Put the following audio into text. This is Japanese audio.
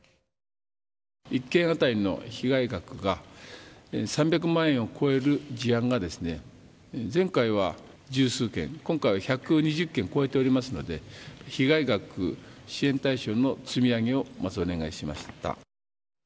１軒当たりの被害額が、３００万円を超える事案がですね、前回は十数軒、今回は１２０軒を超えておりますので、被害額、支援対象の積み上げをまずお願いしました。